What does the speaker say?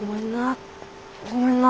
「ごめんな。